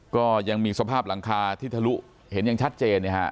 ก็ยังมีสภาพหลังคาที่ทะลุเห็นยังชัดเจน